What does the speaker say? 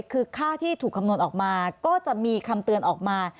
คือค่าที่ถูกคำนวณออกมาก็จะมีคำเตือนออกมา